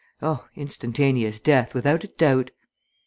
Oh, instantaneous death, without a doubt!